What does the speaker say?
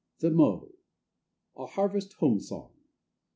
THE MOW. A HARVEST HOME SONG.